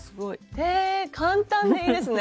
へえ簡単でいいですね。